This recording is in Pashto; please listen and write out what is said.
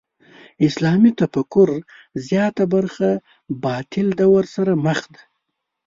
اسلامي تفکر زیاته برخه باطل دور سره مخ ده.